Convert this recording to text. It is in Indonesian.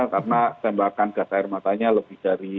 karena tembakan gas air matanya lebih dari